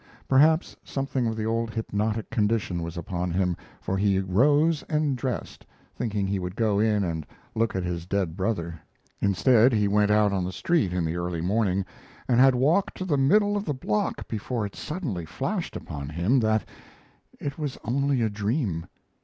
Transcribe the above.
Perhaps something of the old hypnotic condition was upon him, for he rose and dressed, thinking he would go in and look at his dead brother. Instead, he went out on the street in the early morning and had walked to the middle of the block before it suddenly flashed upon him that it was only a dream.